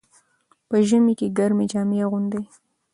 په ژمي کې ګرمې جامې اغوندئ.